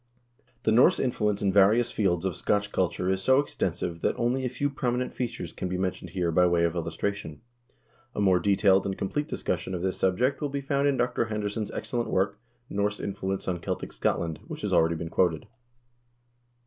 2 The Norse influence in various fields of Scotch culture is so ex tensive that only a few prominent features can be mentioned here by way of illustration. A more detailed and complete discussion of this subject will be found in Dr. George Henderson's excellent work, "Norse Influence on Celtic Scotland," which has already been quoted.